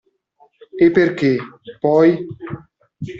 E perché, poi?